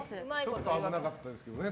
ちょっと危なかったですけどね